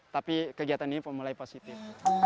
tapi kegiatan ini mulai positif